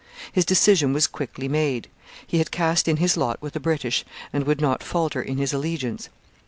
His decision was quickly made. He had cast in his lot with the British and would not falter in his allegiance.